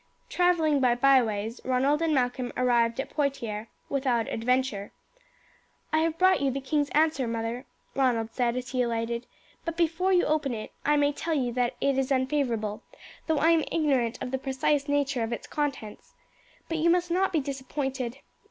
Travelling by byways Ronald and Malcolm arrived at Poitiers without adventure. "I have brought you the king's answer, mother," Ronald said as he alighted; "but before you open it I may tell you that it is unfavourable, though I am ignorant of the precise nature of its contents. But you must not be disappointed.